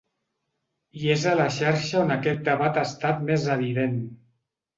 I és a la xarxa on aquest debat ha estat més evident.